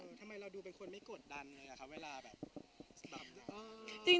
ทำไมเราดูเป็นคนไม่กดดันเลยอะคะเวลาแบบ